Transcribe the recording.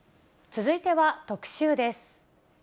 続いては特集です。